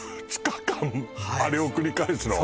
２日間あれを繰り返すの？